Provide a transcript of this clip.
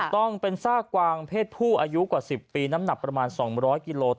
ต้องเป็นซากกวางเพศผู้อายุกว่า๑๐ปีน้ำหนักประมาณ๒๐๐กิโล